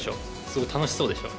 すごく楽しそうでしょ？